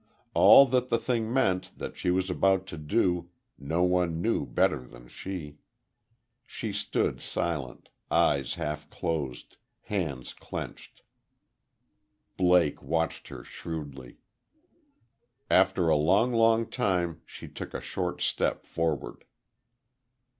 All that the thing meant that she was about to do, no one knew better than she. She stood, silent, eyes half closed, hands clenched. Blake watched her, shrewdly. After a long, long time, she took a short step forward.